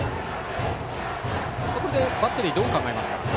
バッテリーはどう考えますか。